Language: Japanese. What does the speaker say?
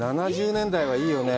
７０年代はいいよね。